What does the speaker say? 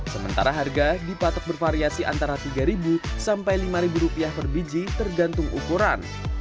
sementara harga dipatok bervariasi antara rp tiga sampai rp lima per biji tergantung ukuran